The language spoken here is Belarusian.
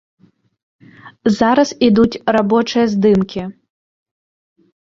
Зараз ідуць рабочыя здымкі.